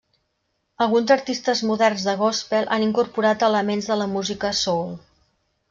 Alguns artistes moderns de gòspel han incorporat elements de la música soul.